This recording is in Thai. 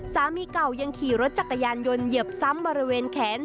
สามีเก่ายังขี่รถจักรยานยนต์เหยียบซ้ำบริเวณแขน